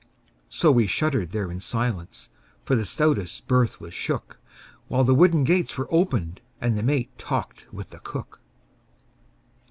So we shuddered there in silence, For the stoutest berth was shook, While the wooden gates were opened And the mate talked with the cook.